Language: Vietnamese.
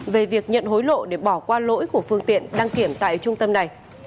về việc nhận hối lộ để bỏ qua lỗi của phương tiện đăng kiểm tại trung tâm này